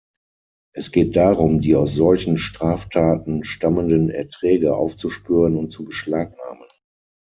Es geht darum, die aus solchen Straftaten stammenden Erträge aufzuspüren und zu beschlagnahmen.